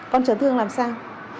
con trấn thương làm sao